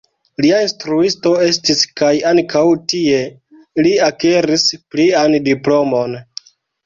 Lia instruisto estis kaj ankaŭ tie li akiris plian diplomon.